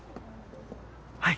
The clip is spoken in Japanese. はい。